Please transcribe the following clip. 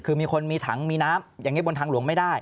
คือมีคนมีถังมีน้ำอย่างนี้บนทางหลวงไม่ได้